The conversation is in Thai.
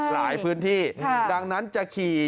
หลายพื้นที่ดังนั้นจะขี่